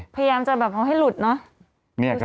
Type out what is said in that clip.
พยายามจะแบบเอาให้หลุดเนอะ